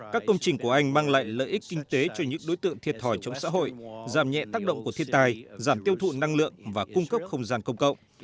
các công trình của anh mang lại lợi ích kinh tế cho những đối tượng thiệt thòi trong xã hội giảm nhẹ tác động của thiên tai giảm tiêu thụ năng lượng và cung cấp không gian công cộng